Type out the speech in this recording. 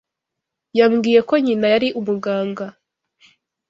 Yambwiye ko nyina yari umuganga.